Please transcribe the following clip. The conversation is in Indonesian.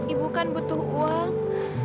ibu kan butuh uang